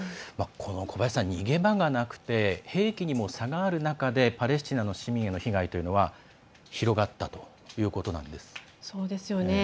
小林さん、逃げ場がなくて兵器にも差がある中でパレスチナの市民の被害は広がったということなんです。